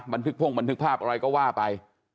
บันทึกพ่งบันทึกภาพอะไรก็ว่าไป